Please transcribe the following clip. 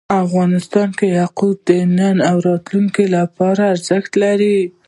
افغانستان کې یاقوت د نن او راتلونکي لپاره ارزښت لري.